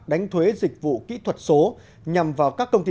đánh thuế dịch vụ kỹ thuật số